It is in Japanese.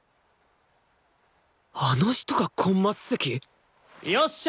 あの人がコンマス席！？よっしゃ！